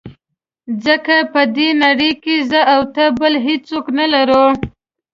ځکه په دې نړۍ کې زه او ته بل هېڅوک نه لرو.